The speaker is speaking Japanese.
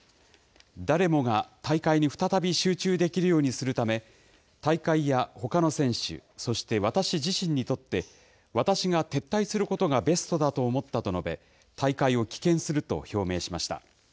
誰もが大会に再び集中できるようにするため、大会やほかの選手、そして私自身にとって、私が撤退することがベストだと思ったと述べ、大会を棄権すると表明しました。